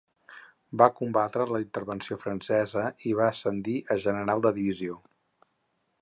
Va combatre la Intervenció Francesa i va ascendir a General de Divisió.